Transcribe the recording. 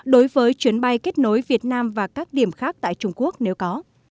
đối với chuyến bay kết nối việt nam và các điểm khác tại trung quốc nếu có